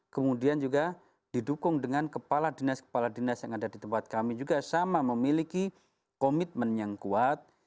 kemudian juga didukung dengan kepala dinas kepala dinas yang ada di tempat kami juga sama memiliki komitmen yang kuat